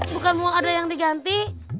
bukan uang ada yang diganti